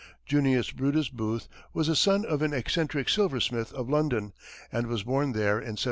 Junius Brutus Booth was the son of an eccentric silversmith of London, and was born there in 1796.